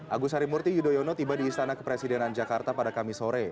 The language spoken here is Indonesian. agus harimurti yudhoyono tiba di istana kepresidenan jakarta pada kamis sore